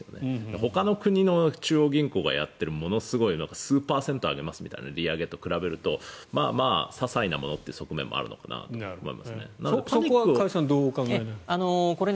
ほかの国の中央銀行がやっているものすごい数パーセント上げますみたいな利上げと比べるとまあまあ、ささいなものという側面もあるのかなと思うんですね。